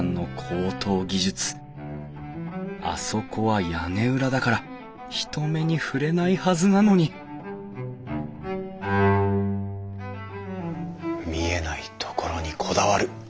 あそこは屋根裏だから人目に触れないはずなのに見えないところにこだわる。